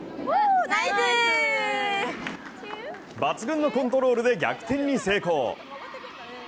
抜群のコントロールで逆転に成功。